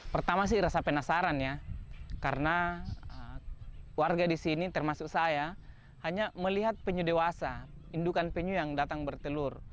pertama sih rasak penasaran yah karena warga disini termasuk saya hanya melihat penyu dewasa indukan penyu yang datang bertelur